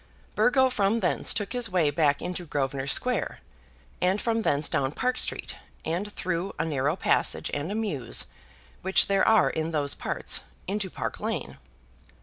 Burgo from thence took his way back into Grosvenor Square, and from thence down Park Street, and through a narrow passage and a mews which there are in those parts, into Park Lane.